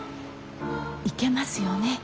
行けますよね